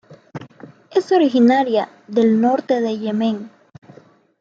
Es originaria del norte de Yemen.